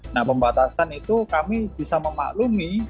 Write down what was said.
nah pembatasan itu kami bisa memaklumi